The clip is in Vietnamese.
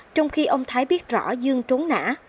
trong khi ông thái biết rõ dương trốn nã